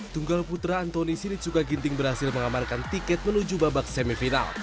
tunggal putra antoni siritsuka ginting berhasil mengamarkan tiket menuju babak semifinal